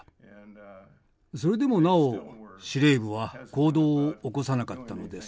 それでもなお司令部は行動を起こさなかったのです。